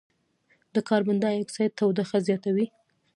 د کاربن ډای اکسایډ تودوخه زیاتوي.